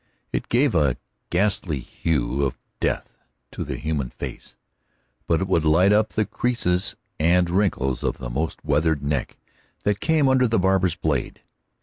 It gave a ghastly hue of death to the human face, but it would light up the creases and wrinkles of the most weathered neck that came under the barber's blade.